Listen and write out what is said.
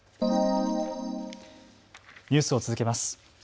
ニュースを続けます。